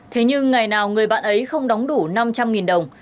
thế nhưng ngày nào người bạn ấy không đóng đủ năm trăm linh đồng